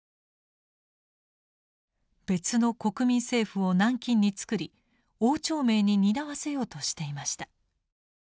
別の国民政府を南京に作り汪兆銘に担わせようとしていました。